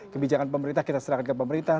kebijakan pemerintah kita serahkan ke pemerintah